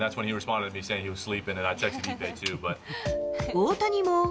大谷も。